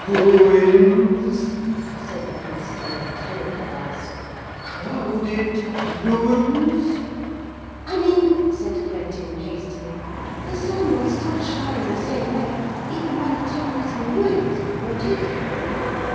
'Ruins?' said the priest in a terrible voice. 'Crowded? Ruins?' 'I mean,' said Quentin hastily, 'the sun will still shine the same way even when the temple is in ruins, won't it?'